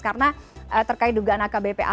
karena terkait dugaan akbpa